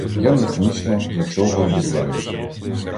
Ян механічно зачовгав до дверей.